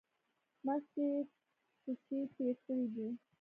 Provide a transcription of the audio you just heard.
مستۍ کښې تېر کړی دی۔